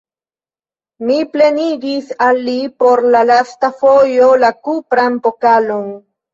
Mi plenigis al li por la lasta fojo la kupran pokalon.